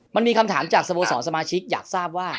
มันมีคำถามจากสโมสรสมาชิกอยากทราบว่า